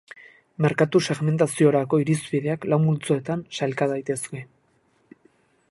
Merkatu-segmentaziorako irizpideak lau multzoetan sailka daitezke.